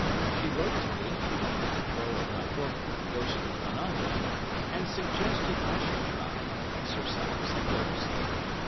She wrote to me, àpropos of my book, "Ghostly Phenomena," and suggested I should try and exorcise the ghost.